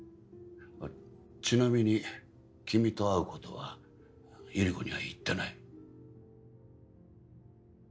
ちなみに君と会うことはゆり子には言ってない。